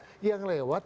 tapi yang lewat